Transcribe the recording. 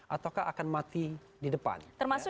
ataukah akan mati di depan